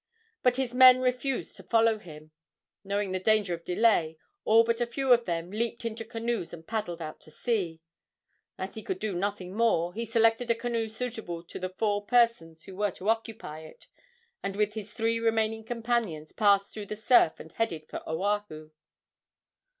But his men refused to follow him. Knowing the danger of delay, all but a few of them leaped into canoes and paddled out to sea. As he could do nothing more, he selected a canoe suitable to the four persons who were to occupy it, and with his three remaining companions passed through the surf and headed for Oahu.